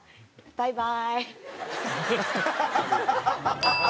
バイバーイ！